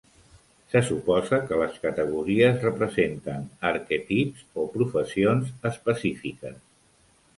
Se suposa que les categories representen arquetips o professions específiques.